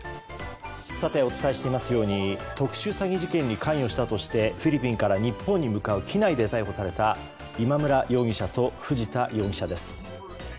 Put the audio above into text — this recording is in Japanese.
さてお伝えしていますように特殊詐欺事件に関与したとしてフィリピンから日本に向かう機内で逮捕された今村容疑者と藤田容疑者です。